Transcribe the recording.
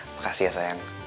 makasih ya sayang